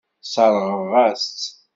Sseṛɣeɣ-as-tt.